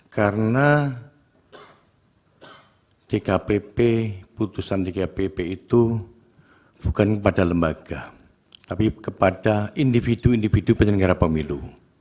karena di kpb putusan di kpb itu bukan kepada lembaga tapi kepada individu individu penyelenggara pemilu